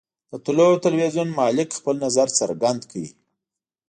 د طلوع ټلویزیون مالک خپل نظر څرګند کړ.